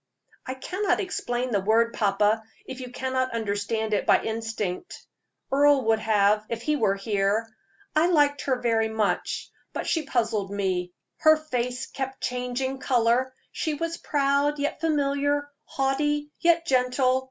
"I cannot explain the word, papa, if you cannot understand it by instinct. Earle would if he were here. I liked her very much; but she puzzled me; her face kept changing color: she was proud, yet familiar; haughty, yet gentle.